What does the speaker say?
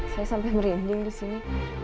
saya sampai merinding disini